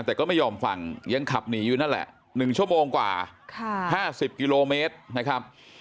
แต่ก็ไม่ยอมฟังยังขับหนีอยู่นั่นแหละ๑ชั่วโมงกว่า๕๐กิโลเมตรนะครับ